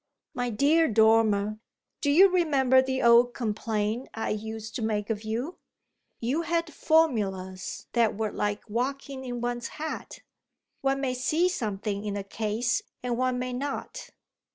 "My dear Dormer, do you remember the old complaint I used to make of you? You had formulas that were like walking in one's hat. One may see something in a case and one may not."